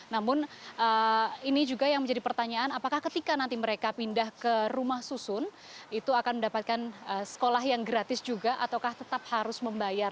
namun ini juga yang menjadi pertanyaan apakah ketika nanti mereka pindah ke rumah susun itu akan mendapatkan sekolah yang gratis juga ataukah tetap harus membayar